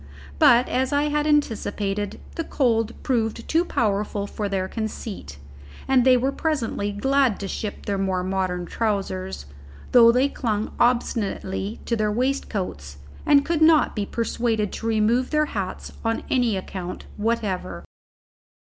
But, as I had anticipated, the cold proved too powerful for their conceit, and they were presently glad to ship their more modern trousers, though they clung obstinately to their waistcoats, and could not be persuaded to remove their hats on any account whatever.